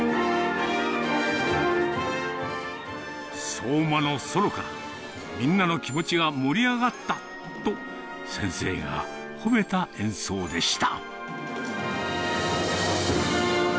相馬のソロから、みんなの気持ちが盛り上がったと、先生が褒めた演奏でした。